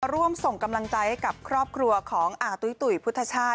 ร่วมส่งกำลังใจให้กับครอบครัวของอาตุ้ยตุ๋ยพุทธชาติ